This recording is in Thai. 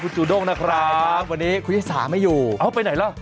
จูด้งนะครับวันนี้คุณชิสาไม่อยู่เอาไปไหนล่ะ